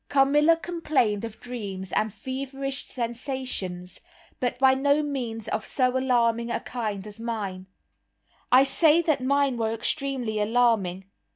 Carmilla complained of dreams and feverish sensations, but by no means of so alarming a kind as mine. I say that mine were extremely alarming.